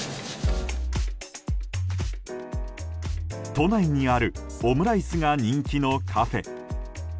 都内にあるオムライスが人気のカフェ。